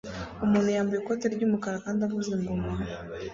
Umuntu yambaye ikoti ry'umukara kandi avuza ingoma